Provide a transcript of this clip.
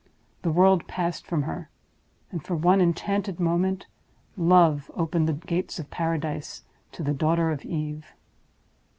The world passed from her; and, for one enchanted moment, Love opened the gates of Paradise to the daughter of Eve.